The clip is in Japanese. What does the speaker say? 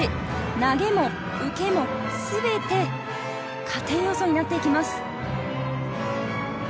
投げも受けも全て加点要素になっていきます。